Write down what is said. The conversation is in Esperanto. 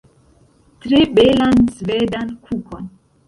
Tre belan svedan kukon